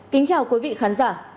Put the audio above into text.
kính chào quý vị khán giả